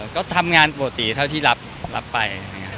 ก็ทำงานปกติเท่าที่รับไป